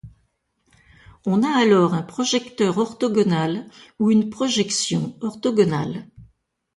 On a alors un projecteur orthogonal, ou une projection orthogonale.